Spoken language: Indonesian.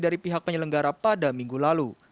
dari pihak penyelenggara pada minggu lalu